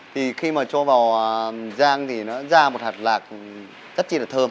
thì khi mà cho vào giang thì nó ra một hạt lạc rất chi là thơm